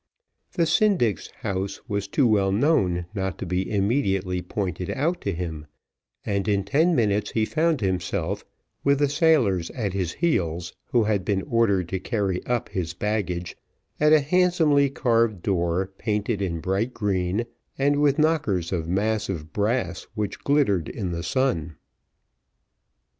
The syndic's house was too well known not to be immediately pointed out to him, and in ten minutes he found himself, with the sailors at his heels who had been ordered to carry up his baggage, at a handsomely carved door painted in bright green, and with knockers of massive brass which glittered in the sun.